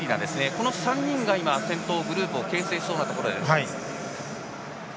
この３人が先頭グループを形成しそうなところです。